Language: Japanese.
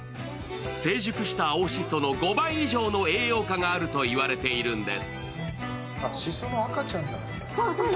成熟した青しその５倍以上の栄養価があると言われているんです。